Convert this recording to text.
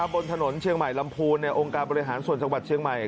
บนถนนเชียงใหม่ลำพูนองค์การบริหารส่วนจังหวัดเชียงใหม่